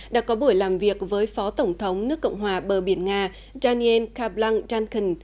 đã có buổi làm việc với phó tổng thống nước cộng hòa bờ biển nga daniel kaplan duncan